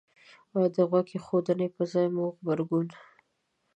او د غوږ ایښودنې په ځای مو غبرګون